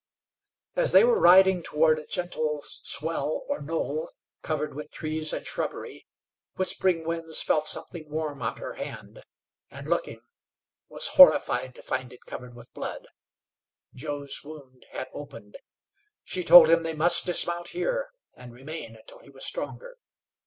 As they were riding toward a gentle swell or knoll covered with trees and shrubbery, Whispering Winds felt something warm on her hand, and, looking, was horrified to find it covered with blood. Joe's wound had opened. She told him they must dismount here, and remain until he was stronger.